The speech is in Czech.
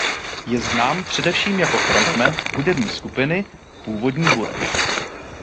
Je znám především jako frontman hudební skupiny Původní Bureš.